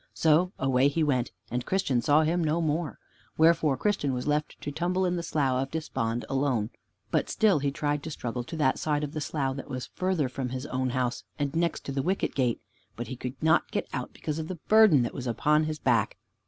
So away he went, and Christian saw him no more. Wherefore Christian was left to tumble in the Slough of Despond alone. But still he tried to struggle to that side of the Slough that was further from his own house, and next to the Wicket gate. But he could not get out because of the burden that was upon his back.